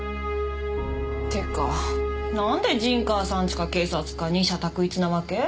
てかなんで陣川さんちか警察か二者択一なわけ？